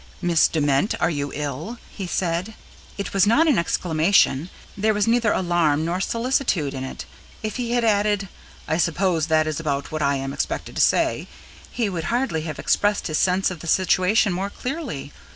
"Miss Dement, are you ill?" he said. It was not an exclamation; there was neither alarm nor solicitude in it. If he had added: "I suppose that is about what I am expected to say," he would hardly have expressed his sense of the situation more clearly.